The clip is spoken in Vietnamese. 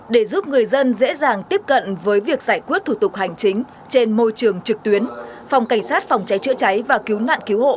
để giúp người dân dễ dàng tiếp cận với việc giải quyết thủ tục hành chính trên môi trường trực tuyến phòng cảnh sát phòng cháy chữa cháy và cứu nạn cứu hộ